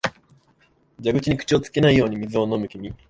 蛇口に口をつけないように水を飲む君、